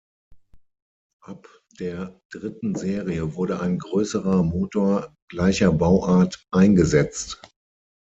Ab der dritten Serie wurde ein größerer Motor gleicher Bauart eingesetzt.